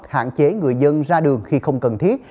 hạn chế người dân ra đường khi không cần thiết